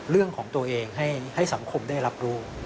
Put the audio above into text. เรื่องของตัวเองให้สังคมได้รับรู้